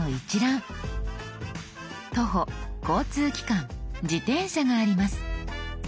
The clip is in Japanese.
「徒歩」「交通機関」「自転車」があります。